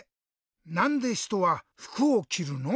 なんでひとはふくをきるの？